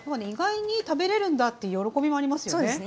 意外に食べれるんだっていう喜びもありますよね。